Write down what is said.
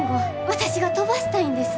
私が飛ばしたいんです。